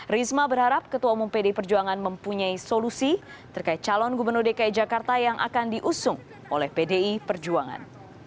risma berharap ketua umum pdi perjuangan mempunyai solusi terkait calon gubernur dki jakarta yang akan diusung oleh pdi perjuangan